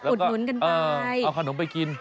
อุดหนุนกันไปเอาขนมไปกิน